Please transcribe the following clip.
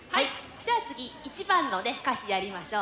じゃあ次１番のね歌詞やりましょう。